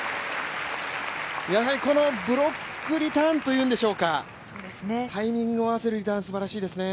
やはりこのブロックリターンというんでしょうか、タイミングを合わせるリターン、すばらしいですね。